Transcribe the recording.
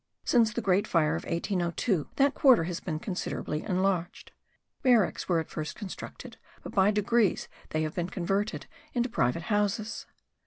Since the great fire of 1802 that quarter has been considerably enlarged; barracks were at first constructed, but by degrees they have been converted into private houses.